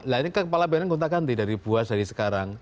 lainnya kepala bnn gonta ganti dari buas dari sekarang